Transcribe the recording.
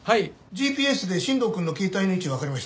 ＧＰＳで新藤くんの携帯の位置がわかりました。